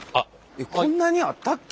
えっこんなにあったっけ？